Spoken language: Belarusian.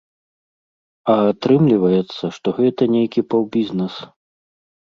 А атрымліваецца, што гэта нейкі паўбізнэс.